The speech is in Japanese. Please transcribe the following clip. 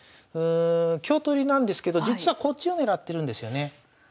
香取りなんですけど実はこっちを狙ってるんですよね。